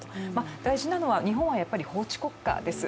大事なのは、日本は法治国家です。